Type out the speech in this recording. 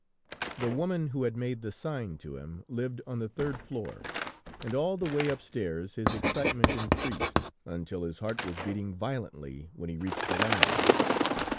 The woman who had made the sign to him, lived on the third floor, and all the way upstairs his excitement increased, until his heart was beating violently when he reached the landing.